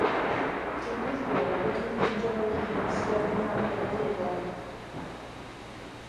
Digwydd bod wedi ffeindio fy hun yn sgwennu am gynadleddau.